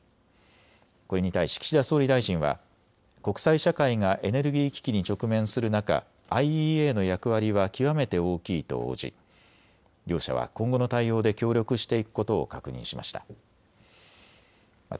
これに対し岸田総理大臣は国際社会がエネルギー危機に直面する中、ＩＥＡの役割は極めて大きいと応じ両者は今後の対応で協力していくことを確認しました。